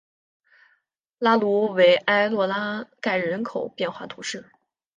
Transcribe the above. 拉卢维埃洛拉盖人口变化图示